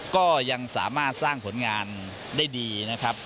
ก็ยังสามารถสร้างผลงานได้ดีนะครับ